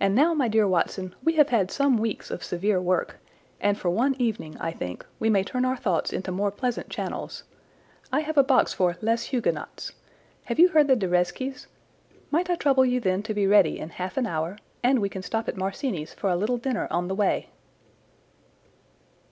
And now, my dear Watson, we have had some weeks of severe work, and for one evening, I think, we may turn our thoughts into more pleasant channels. I have a box for Les Huguenots. Have you heard the De Reszkes? Might I trouble you then to be ready in half an hour, and we can stop at Marcini's for a little dinner on the way?"